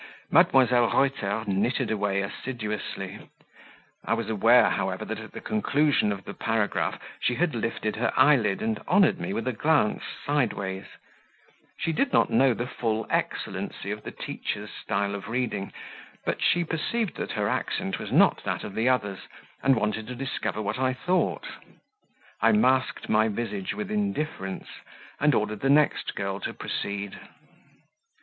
Mdlle. Reuter knitted away assiduously; I was aware, however, that at the conclusion of the paragraph, she had lifted her eyelid and honoured me with a glance sideways; she did not know the full excellency of the teacher's style of reading, but she perceived that her accent was not that of the others, and wanted to discover what I thought; I masked my visage with indifference, and ordered the next girl to proceed.